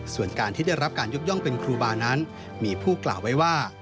ส่วนการที่ได้รับการยกย่องเป็นครูบานั้นมีผู้กล่าวไว้ว่า